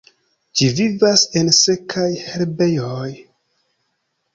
Ĝi vivas en sekaj herbejoj.